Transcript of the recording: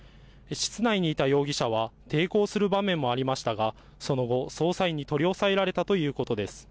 室内にいた容疑者は、抵抗する場面もありましたが、その後、捜査員に取り押さえられたということです。